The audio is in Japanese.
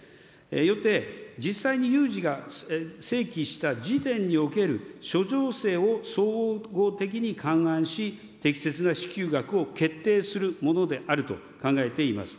よって実際に有事が生起した時点における諸情勢を総合的に勘案し、適切な支給額を決定するものであると考えています。